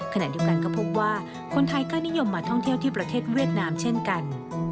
ขณะเดียวกันก็พบว่าคนไทยก็นิยมมาท่องเที่ยวที่ประเทศเวียดนามเช่นกัน